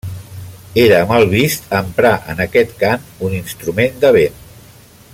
Era mal vist emprar en aquest cant un instrument de vent.